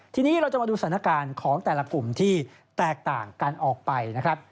ทีนี้เราจะมาดูสถานการณ์ของแต่ละกลุ่มที่แตกต่างกันออกไปนะครับ